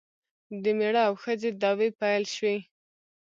د میړه او ښځې دعوې پیل شي.